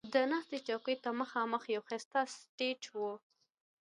د ناستې چوکیو ته مخامخ یو ښایسته سټیج و.